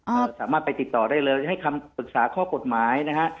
เราสามารถไปติดต่อได้เลยให้คำปรึกษาข้อกฎหมายนะฮะ